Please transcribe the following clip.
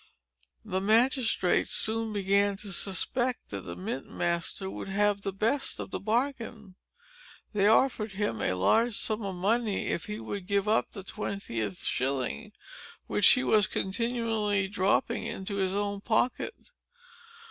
The magistrates soon began to suspect that the mint master would have the best of the bargain. They offered him a large sum of money, if he would but give up that twentieth shilling, which he was continually dropping into his own pocket.